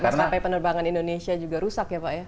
masa penerbangan indonesia juga rusak ya pak ya